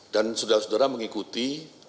dan saudara saudara mengikuti